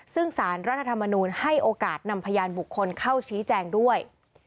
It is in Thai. ซึ่งสารรัฐธรรมนูลให้โอกาสนำพยานบุคคลเข้าชี้แจงด้วย